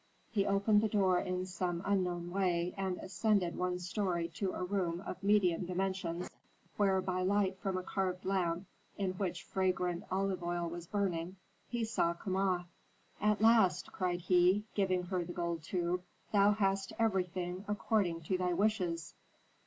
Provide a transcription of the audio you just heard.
He opened the door in some unknown way and ascended one story to a room of medium dimensions, where by light from a carved lamp in which fragrant olive oil was burning, he saw Kama. "At last!" cried he, giving her the gold tube. "Thou hast everything according to thy wishes."